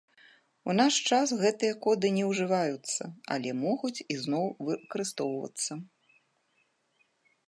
У наш час гэтыя коды не ўжываюцца, але могуць ізноў выкарыстоўвацца.